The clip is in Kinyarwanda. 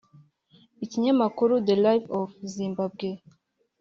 Ikinyamakuru The Live of Zimbabwe